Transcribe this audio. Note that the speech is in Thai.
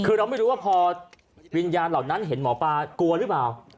คือเราไม่รู้ว่าพอวิญญาณเหล่านั้นเห็นหมอปลากลัวหรือเปล่า